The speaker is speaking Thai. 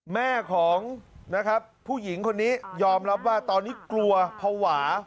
แม่ของนะครับผู้หญิงคนนี้ยอมรับว่าตอนนี้กลัวภาวะ